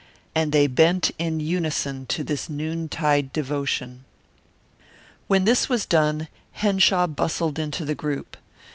And they bent in unison to this noon tide devotion. When this was done Henshaw bustled into the group.